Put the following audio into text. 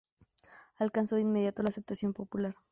Alcanzó de inmediato la aceptación popular.